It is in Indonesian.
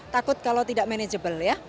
takut kalau tidak manajeble ya